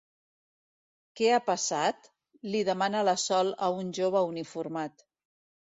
Què ha passat? —li demana la Sol a un jove uniformat.